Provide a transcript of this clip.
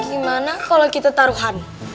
gimana kalau kita taruhan